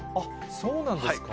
そうなんですか。